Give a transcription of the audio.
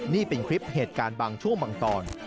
นี่เป็นคลิปเหตุการณ์บางช่วงบางตอน